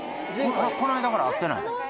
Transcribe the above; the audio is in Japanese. この間から会ってない？